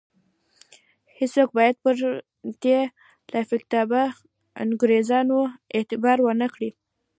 هیڅوک باید پر دې لافکتابه انګرېزانو اعتبار ونه کړي.